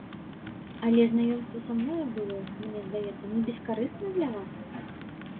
Але знаёмства са мною было, мне здаецца, небескарысна для вас?